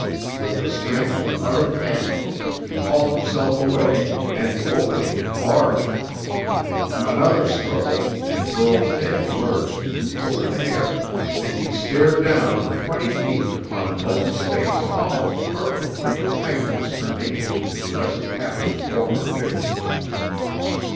With the strength of utter panic he hauled himself away, and the opening enlarged. Another struggle, and Burl's head emerged into the open air, and he stared down for twenty feet upon an open space almost carpeted with the chitinous remains of his present captor's former victims.